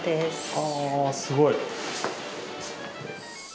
あぁすごい。